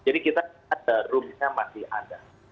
jadi kita ada rumahnya masih ada